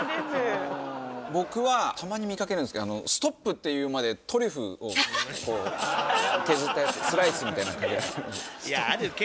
僕はたまに見かけるんですけどストップって言うまでトリュフを削ったやつスライスみたいなかけられる。